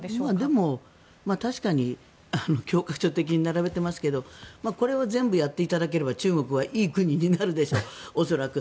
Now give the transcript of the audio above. でも、確かに教科書的に並べてますがこれを全部やっていただければ中国はいい国になるでしょう恐らく。